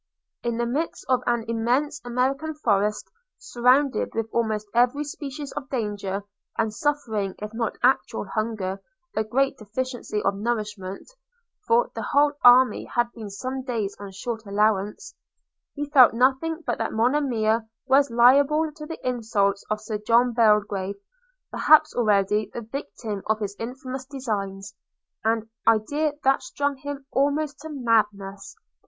In the midst of an immense American forest, surrounded with almost every species of danger, and suffering, if not actual hunger, a great deficiency of nourishment (for the whole army had been some days on short allowance), he felt nothing but that Monimia was liable to the insults of Sir John Belgrave; perhaps already the victim of his infamous designs – an idea that stung him almost to madness.